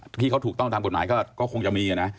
ที่เขาถูกต้องตามกฎหมายก็คงจะมีนะ